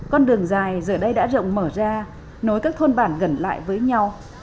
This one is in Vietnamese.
con đường dài giờ đây đã rộng mở ra nối các thôn bản gần lại với nhau